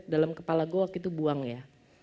dalam kepala gue waktu itu buang ya